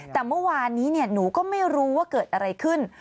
แต่เมื่อวานนี้หนูก็ไม่รู้ว่าเกิดอะไรขึ้น